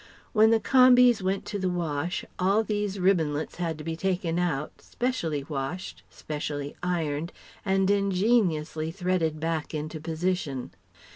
When the "combies" went to the wash, all these ribbonlets had to be taken out, specially washed, specially ironed, and ingeniously threaded back into position.